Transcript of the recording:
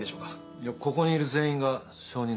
いやここにいる全員が証人だよ。